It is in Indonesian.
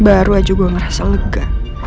baru aja gue ngerasa lega